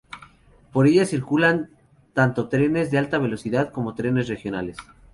Por ella circulan tanto trenes de alta velocidad como trenes regionales.